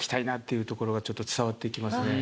いうところがちょっと伝わってきますね。